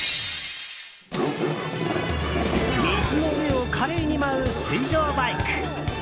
水の上を華麗に舞う水上バイク。